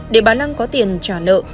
để bà lăng có tiền trả nợ